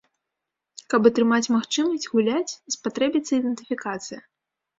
Каб атрымаць магчымасць гуляць, спатрэбіцца ідэнтыфікацыя.